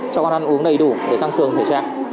cho con ăn uống đầy đủ để tăng cường thể trạng